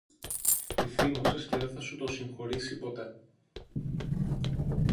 Τη θύμωσες και δε θα σου το συγχωρήσει ποτέ!